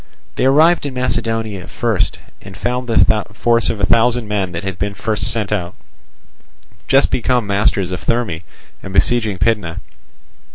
They arrived in Macedonia first, and found the force of a thousand men that had been first sent out, just become masters of Therme and besieging Pydna.